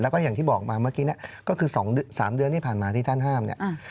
แล้วก็อย่างที่บอกมาเมื่อกี้เนี่ยก็คือ๒๓เดือนที่ผ่านมาที่ท่านห้ามเนี่ย